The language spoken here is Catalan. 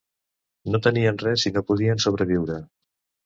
No tenien res i no podien sobreviure.